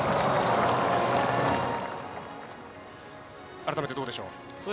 改めて、どうでしょう？